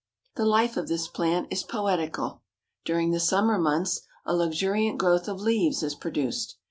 The life of this plant is poetical. During the summer months a luxuriant growth of leaves is produced.